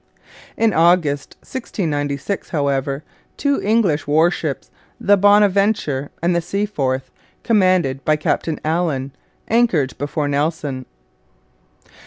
In August 1696, however, two English warships the Bonaventure and the Seaforth commanded by Captain Allen, anchored before Nelson.